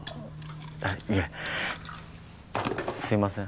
あっいえすいません。